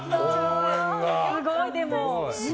すごい、でも。